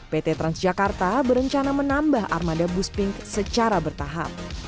pt transjakarta berencana menambah armada bus pink secara bertahap